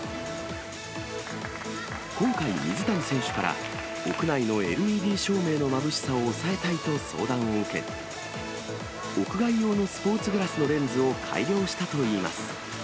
今回、水谷選手から、屋内のＬＥＤ照明のまぶしさを抑えたいと相談を受け、屋外用のスポーツグラスのレンズを改良したといいます。